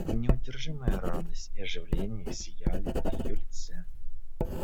И неудержимая радость и оживление сияли на ее лице.